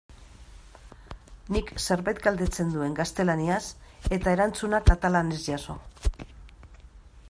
Nik zerbait galdetzen nuen gaztelaniaz eta erantzuna katalanez jaso.